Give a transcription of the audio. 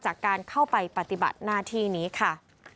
จากการเข้าไปปฏิบัติหน้าที่นี้ค่ะ